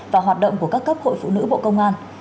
và hoạt động của các cấp hội phụ nữ bộ công an